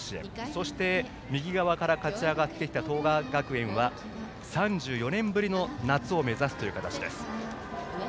そして、右側から勝ち上がってきた東亜学園は３４年ぶりの夏を目指すという形です。